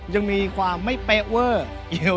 ยังมีความไม่เป๊ะเวอร์